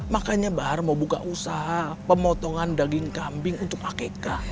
makanya bahar mau buka usaha pemotongan daging kambing untuk akek